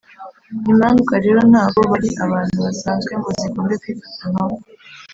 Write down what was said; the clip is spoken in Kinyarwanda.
imandwa rero ntago bari abantu basanzwe ngo zigombe kwifata nkabo.